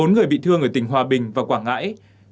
bốn người bị thương ở tỉnh hòa bình và quảng ngãi